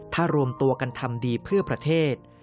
ถ้ารวมตัวกันทำดีเพื่อประเทศ